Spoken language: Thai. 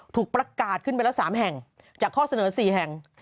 ถูกประกาศขึ้นไปแล้ว๓แห่งจากข้อเสนอ๔แห่ง